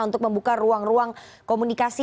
untuk membuka ruang ruang komunikasi